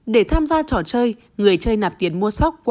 để tham gia trò chơi người chơi nạp tiền mua sốc